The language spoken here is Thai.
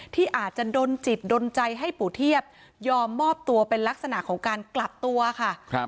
ที่อาจจะดนจิตดนใจให้ปู่เทียบยอมมอบตัวเป็นลักษณะของการกลับตัวค่ะ